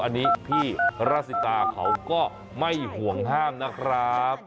อันนี้พี่ราซิตาเขาก็ไม่ห่วงห้ามนะครับ